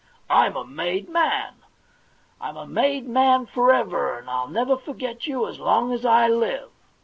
I'm a made man, I'm a made man for ever, and I'll never forget you as long as I live